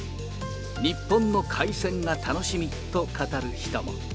日本の海鮮が楽しみと語る人も。